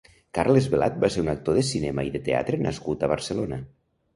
Carles Velat va ser un actor de cinema i de teatre nascut a Barcelona.